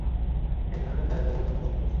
এক ধরনের দায়িত্ববোধ অনুভব করছি।